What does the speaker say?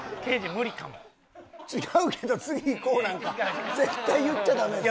「違うけど次いこう」なんか絶対言っちゃダメですよ。